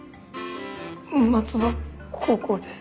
松葉高校です。